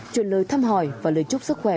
truyền lời thăm hỏi và lời chúc sức khỏe